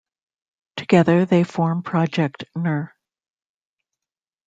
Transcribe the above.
Together they form Project nr.